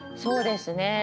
そうですね。